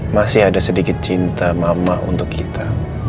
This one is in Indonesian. masih ada sedikit cinta mama untuk kita